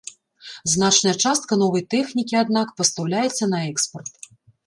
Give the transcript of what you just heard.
Значная частка новай тэхнікі, аднак, пастаўляецца на экспарт.